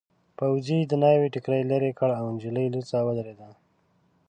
پوځي د ناوې ټکري لیرې کړ او نجلۍ لوڅه ودرېده.